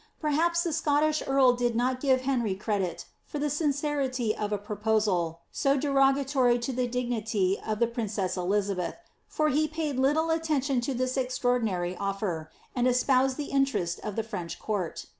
Perhaps the Scottish earl did not give Henry credit t" T the sincerity of a proposal so derogatory to the dignity of the prin cess Elizabeth, for he paid little attention to this extraordinary ofier, and spoused the interest of the French court.